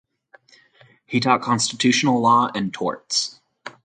He taught constitutional law and torts.